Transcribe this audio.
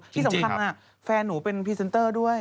ที่สำคัญแฟนหนูเป็นพรีเซนเตอร์ด้วย